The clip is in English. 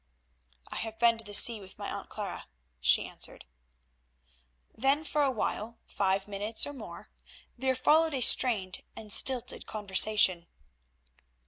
"I have been to the sea with my Aunt Clara," she answered. Then for a while—five minutes or more—there followed a strained and stilted conversation.